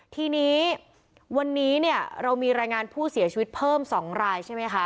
ทีนี้วันนี้เนี่ยเรามีรายงานผู้เสียชีวิตเพิ่ม๒รายใช่ไหมคะ